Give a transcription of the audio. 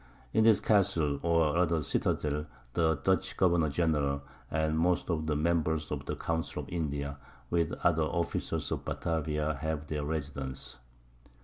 In this Castle, or rather Citadel, the Dutch Governour General, and most of the Members of the Council of India, with the other Officers of Batavia, have their Residence.